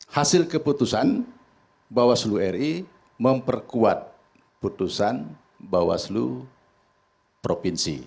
hasil keputusan bawah seluruh ri memperkuat putusan bawah seluruh provinsi